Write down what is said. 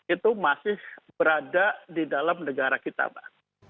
itu masih berada di dalam negara kita mbak